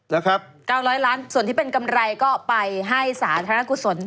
๙๐๐ล้านส่วนที่เป็นกำไรก็ไปให้สาธารณกุศล